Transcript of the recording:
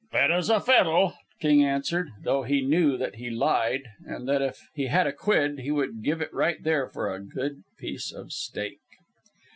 "Fit as a fiddle," King answered, though he knew that he lied, and that if he had a quid, he would give it right there for a good piece of steak.